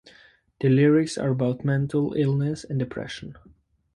The lyrics are about mental illness and depression.